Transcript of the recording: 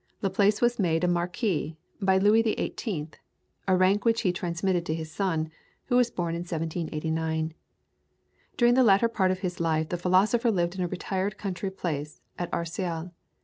Laplace was made a Marquis by Louis XVIII., a rank which he transmitted to his son, who was born in 1789. During the latter part of his life the philosopher lived in a retired country place at Arcueile.